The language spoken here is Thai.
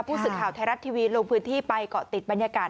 ผู้สื่อข่าวไทยรัฐทีวีลงพื้นที่ไปเกาะติดบรรยากาศ